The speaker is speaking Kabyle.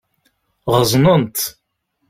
Ɣeẓnent.